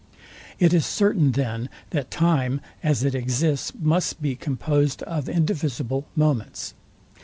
It is certain then, that time, as it exists, must be composed of indivisible moments.